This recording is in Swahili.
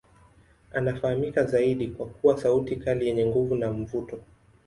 Anafahamika zaidi kwa kuwa sauti kali yenye nguvu na mvuto.